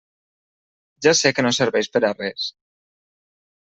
Ja sé que no serveix per a res.